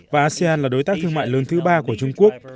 và asean là đối tác thương mại lớn thứ ba của trung quốc